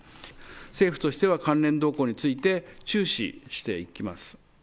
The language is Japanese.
政府としては関連動向について注視していきます。